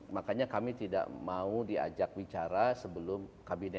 makanya kami tidak mau diajak bicara sebelum kabinet